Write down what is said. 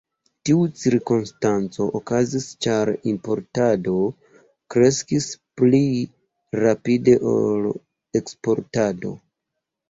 Tiu cirkonstanco okazis ĉar importado kreskis pli rapide ol eksportado.